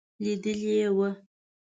لیدلي ول.